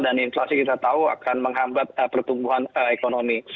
dan inflasi kita tahu akan menghambat pertumbuhan ekonomi